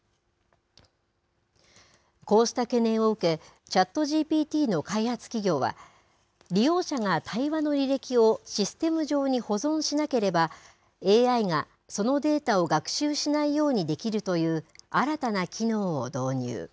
こうした懸念を受け、ＣｈａｔＧＰＴの開発企業は、利用者が対話の履歴をシステム上に保存しなければ、ＡＩがそのデータを学習しないようにできるという新たな機能を導入。